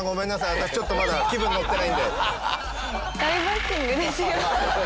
私ちょっとまだ気分のってないので。